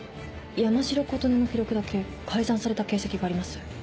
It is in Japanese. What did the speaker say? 山城琴音の記録だけ改ざんされた形跡があります。